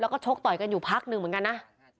แล้วก็ชกต่อยกันอยู่พักหนึ่งเหมือนกันนะ